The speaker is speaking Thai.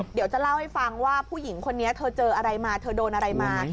เดี๋ยวจะเล่าให้ฟังว่าผู้หญิงคนนี้เธอเจออะไรมาเธอโดนอะไรมา